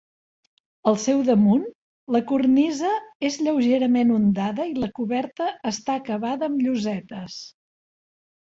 Al seu damunt, la cornisa és lleugerament ondada i la coberta està acabada amb llosetes.